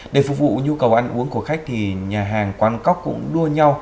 để phục vụ nhu cầu ăn uống của khách thì nhà hàng quán cóc cũng đua nhau